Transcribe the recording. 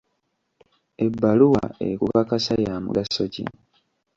Ebbaluwa ekukakasa ya mugaso ki?